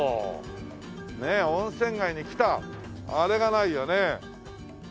温泉街に来たあれがないよね。